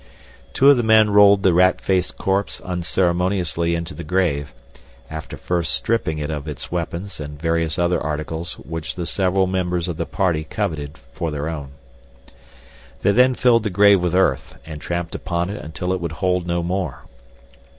Two of the men rolled the rat faced corpse unceremoniously into the grave, after first stripping it of its weapons and various other articles which the several members of the party coveted for their own. They then filled the grave with earth and tramped upon it until it would hold no more.